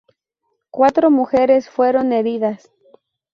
Cuatro mujeres fueron heridas.